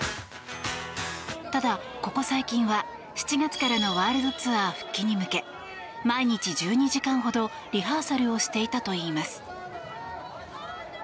ただ、ここ最近は７月からのワールドツアー復帰に向け毎日１２時間ほど、リハーサルをしていたといいます。